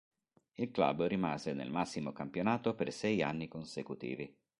Il club rimase nel massimo campionato per sei anni consecutivi.